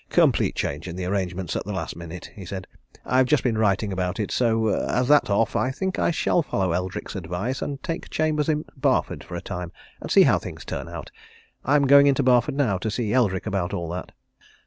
"Complete change in the arrangements at the last minute," he said. "I've just been writing about it. So as that's off, I think I shall follow Eldrick's advice, and take chambers in Barford for a time, and see how things turn out. I'm going into Barford now, to see Eldrick about all that."